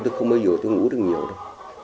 tôi không bao giờ ngủ được nhiều